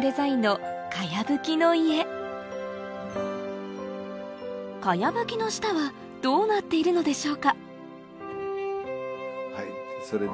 デザインの茅葺きの家茅葺きの下はどうなっているのでしょうかそれで。